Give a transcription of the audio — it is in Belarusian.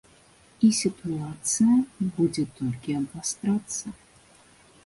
І сітуацыя будзе толькі абвастрацца.